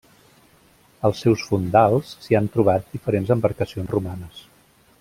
Als seus fondals s'hi han trobat diferents embarcacions romanes.